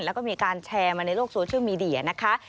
แล้วก็มีการแชร์มาในโลกโซเชียลมีเดียนะคะ